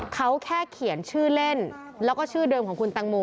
เขาแค่เขียนชื่อเล่นแล้วก็ชื่อเดิมของคุณตังโม